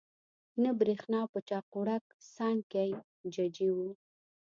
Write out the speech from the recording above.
نه برېښنا په چاقوړک، سانکۍ ججي وو